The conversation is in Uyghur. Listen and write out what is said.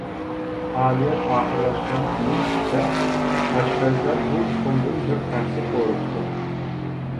پائالىيەت ئاخىرلاشقان كۈنى چۈشتە، ئاشپەزلەر بۇ تۇخۇمدىن بىر تەخسە قورۇپتۇ.